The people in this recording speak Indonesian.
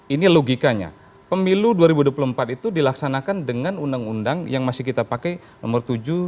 ini logikanya pemilu dua ribu dua puluh empat itu dilaksanakan dengan undang undang yang masih kita pakai nomor tujuh dua ribu dua puluh